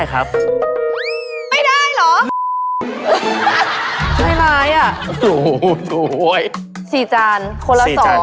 ครั้งสุดท้าย